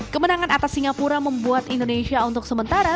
kemenangan atas singapura membuat indonesia untuk sementara